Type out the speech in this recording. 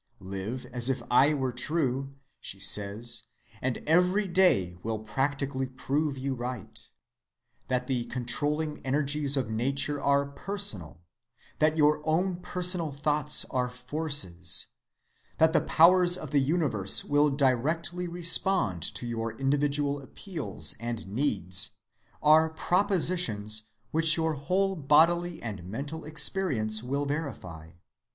Live as if I were true, she says, and every day will practically prove you right. That the controlling energies of nature are personal, that your own personal thoughts are forces, that the powers of the universe will directly respond to your individual appeals and needs, are propositions which your whole bodily and mental experience will verify.